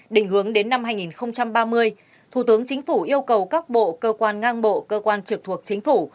định hướng đến năm hai nghìn ba mươi thủ tướng chính phủ yêu cầu các bộ cơ quan ngang bộ cơ quan trực thuộc chính phủ